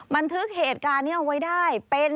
บันทึกเหตุการณ์นี้เอาไว้ได้เป็น